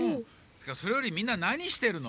それよりみんななにしてるの？